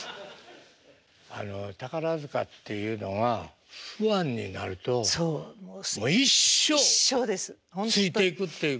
あの宝塚っていうのはファンになるともう一生ついていくっていうか。